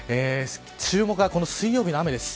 注目は水曜日の雨です。